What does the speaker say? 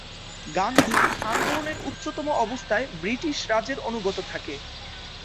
গান্ধী, আন্দোলনের উচ্চতম অবস্থায় ব্রিটিশ রাজের অনুগত থাকে।